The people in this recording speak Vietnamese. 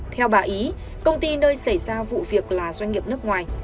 theo bà ý công ty nơi xảy ra vụ việc là doanh nghiệp nước ngoài